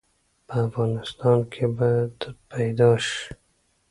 په افغانستان کې به پيدا ش؟